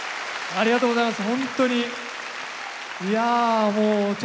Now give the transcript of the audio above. ありがとうございます。